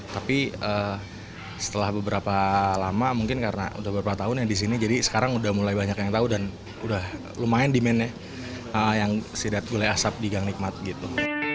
tapi setelah beberapa lama mungkin karena udah beberapa tahun yang di sini jadi sekarang udah mulai banyak yang tahu dan udah lumayan demandnya yang sidat gulai asap di gang nikmat gitu